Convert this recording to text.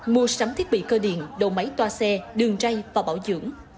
mua sắm thiết bị cơ điện đầu máy toa xe đường ray và bảo dưỡng